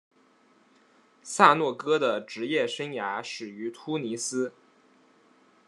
萨诺戈的职业生涯始于突尼斯。